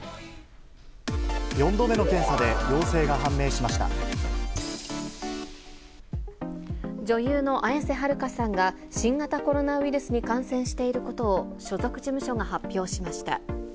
４度目の検査で陽性が判明し女優の綾瀬はるかさんが新型コロナウイルスに感染していることを所属事務所が発表しました。